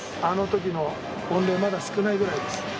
あの時の御礼まだ少ないぐらいです。